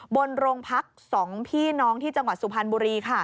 บนโรงพัก๒พี่น้องที่จังหวัดสุพรรณบุรี